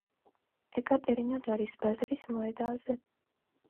ეკატერინოდარის ბაზრის მოედანზე.